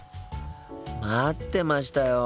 待ってましたよ。